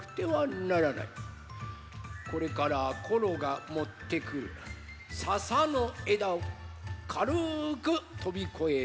これからコロがもってくるささのえだをかるくとびこえるのじゃ。